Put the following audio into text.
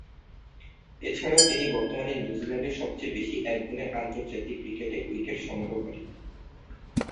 এছাড়াও তিনি বর্তমানে নিউজিল্যান্ডের সবচেয়ে বেশি একদিনের আন্তর্জাতিক ক্রিকেটে উইকেট সংগ্রহকারী।